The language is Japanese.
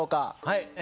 はい。